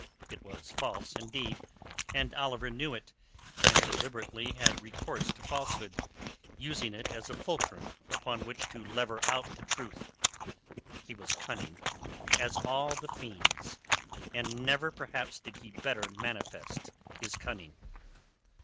It was false, indeed, and Oliver knew it, and deliberately had recourse to falsehood, using it as a fulcrum upon which to lever out the truth. He was cunning as all the fiends, and never perhaps did he better manifest his cunning.